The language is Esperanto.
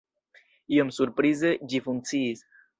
Iom surprize, ĝi funkciis.